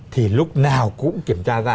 thì lúc nào cũng kiểm tra ra